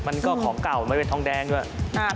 มันก็ของเก่าไม่เป็นทองแดงด้วย